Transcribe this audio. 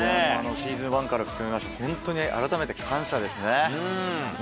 シーズン１から含めまして、本当に改めて感謝ですね。